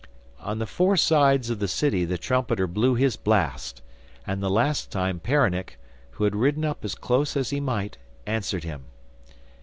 On the four sides of the city the trumpeter blew his blast, and the last time Peronnik, who had ridden up as close as he might, answered him.